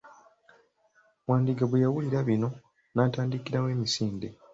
Wandiga bwe yawulira bino, n'atandikirawo emisinde.